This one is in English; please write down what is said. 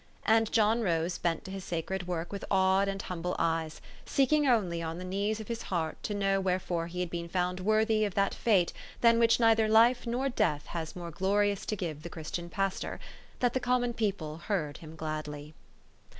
And John Rose bent to his sacred work with awed and humble eyes, seeking only on the knees of his heart to know wherefore he had been found worthy of that fate than which neither life nor death has more glori ous to give the Christian pastor, that the com mon people heard him gladly.